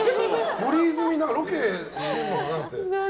森泉、ロケしてるのかなって。